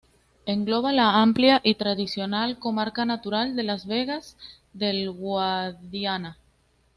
Engloba la amplia y tradicional comarca natural de las Vegas del Guadiana.